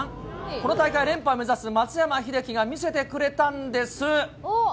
この大会連覇を目指す松山英樹が見せてくれたんです。